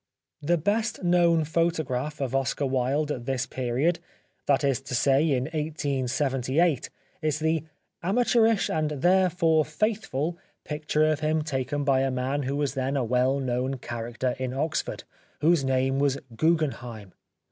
The best known photograph of Oscar Wildcat this period — that is to say in 1878 — is the " amateurish and therefore faithful " picture of him taken by a man who was then a well known character in Oxford, whose name was Guggen heim.